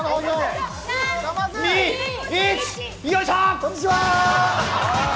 こんにちは！